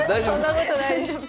そんなことないです。